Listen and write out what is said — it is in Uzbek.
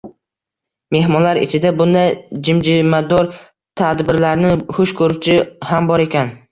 Mehmonlar ichida bunday jimjimador tadbirlarni hush koʻruvchi ham bor ekan.